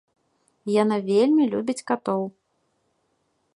Яна вельмі любіць катоў.